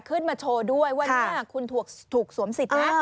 ขึ้นมาโชว์ด้วยว่าเนี่ยคุณถูกสวมสิทธิ์นะ